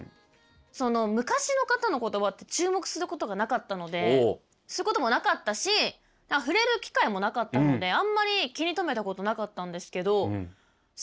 昔の方の言葉って注目することがなかったのですることもなかったし触れる機会もなかったのであんまり気に留めたことなかったんですけどすごいですね。